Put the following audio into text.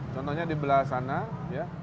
contohnya di belakang sana ya